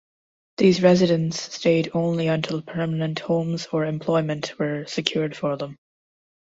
These residents stayed only until permanent homes or employment were secured for them.